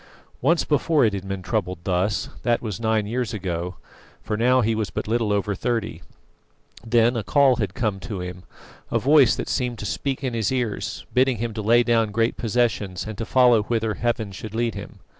Once before it had been troubled thus; that was nine years ago, for now he was but little over thirty. Then a call had come to him, a voice had seemed to speak to his ears bidding him to lay down great possessions to follow whither Heaven should lead him.